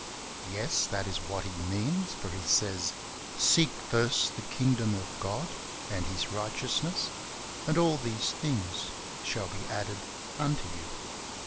Yes, that is what He means, for He says, "Seek first the Kingdom of God and His righteousness and all these things shall FINANCE. 101 be added unto you."